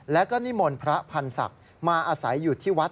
แล้วก็นิมนต์พระพันธ์ศักดิ์มาอาศัยอยู่ที่วัด